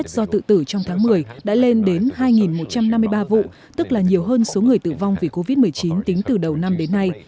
do tự tử trong tháng một mươi đã lên đến hai một trăm năm mươi ba vụ tức là nhiều hơn số người tử vong vì covid một mươi chín tính từ đầu năm đến nay